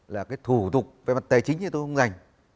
là cái thủ tục về mặt tài chính như tôi không dành